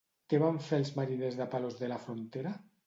Què van fer els mariners de Palos de la Frontera?